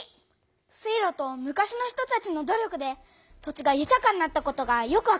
水路と昔の人たちの努力で土地がゆたかになったことがよくわかったよ！